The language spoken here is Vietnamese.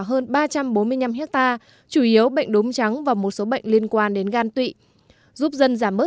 hơn ba trăm bốn mươi năm hectare chủ yếu bệnh đốm trắng và một số bệnh liên quan đến gan tụy giúp dân giảm bớt